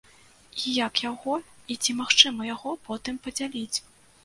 І як яго, і ці магчыма яго потым падзяліць?